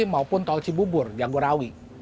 maupun tol cibubur jagorawi